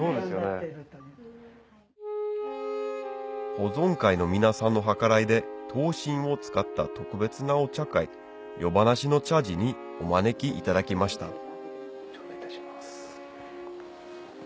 保存会の皆さんの計らいで灯芯を使った特別なお茶会夜咄の茶事にお招きいただきました頂戴いたします。